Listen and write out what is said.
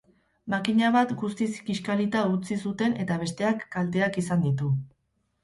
Makina bat guztiz kiskalita utzi zuten eta besteak kalteak izan ditu.